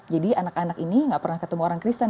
jadi anak anak ini gak pernah ketemu orang kristen